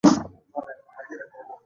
رڼا خطي لاره نیسي.